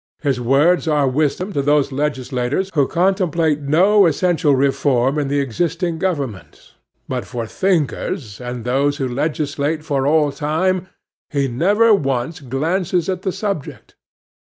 His words are wisdom to those legislators who contemplate no essential reform in the existing government; but for thinkers, and those who legislate for all time, he never once glances at the subject.